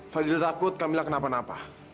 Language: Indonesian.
fadil takut kamilah kenapa napa